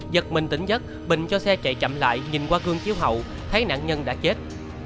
giật mình tĩnh giấc bình cho xe chạy chậm lại nhìn qua gương chiếu hậu thấy nạn nhân đã chết